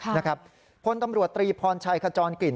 ค่ะนะครับคนตำรวจตรีพรชัยขจรกลิ่น